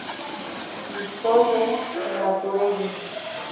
Histoire naturelle.